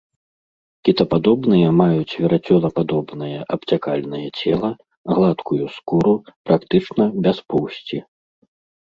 Кітападобныя маюць верацёнападобнае абцякальнае цела, гладкую скуру, практычна без поўсці.